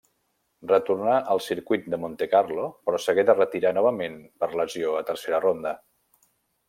Retornà al circuit a Montecarlo però s'hagué de retirar novament per lesió a tercera ronda.